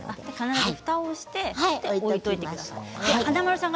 必ずふたをして置いておいてください。